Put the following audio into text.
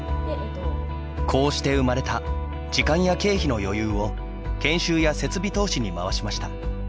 こうして生まれた時間や経費の余裕を研修や設備投資に回しました。